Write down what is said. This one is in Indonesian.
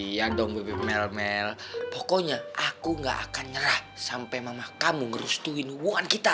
iya dong mel mel pokoknya aku gak akan nyerah sampai mama kamu ngerustuin hubungan kita